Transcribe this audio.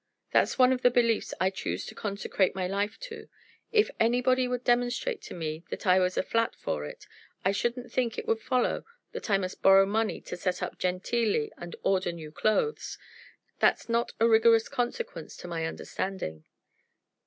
That's one of the beliefs I choose to consecrate my life to. If anybody could demonstrate to me that I was a flat for it, I shouldn't think it would follow that I must borrow money to set up genteelly and order new clothes. That's not a rigorous consequence to my understanding."